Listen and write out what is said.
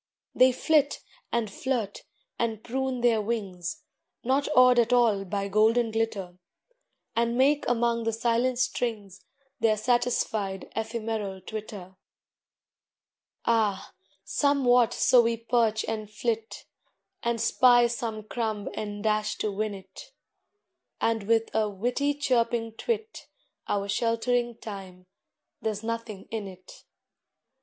They flit, and flirt, and prune their wings, Not awed at all by golden glitter, And make among the silent strings Their satisfied ephemeral twitter. Ah, somewhat so we perch and flit, And spy some crumb and dash to win it, And with a witty chirping twit Our sheltering Time there's nothing in it!